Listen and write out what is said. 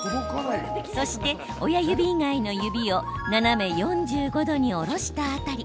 そして、親指以外の指を斜め４５度に下ろした辺り。